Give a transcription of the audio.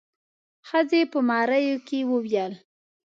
ښځې په غريو کې وويل.